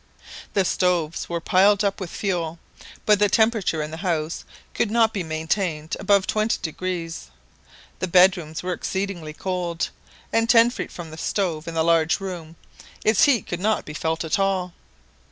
The stoves were piled up with fuel, but the temperature in the house could not be maintained above 20° degrees. The bedrooms were exceedingly cold, and ten feet from the stove, in the large room, its heat could not be felt at all.